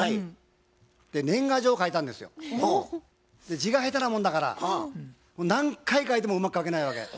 字が下手なもんだから何回書いてもうまく書けないわけ。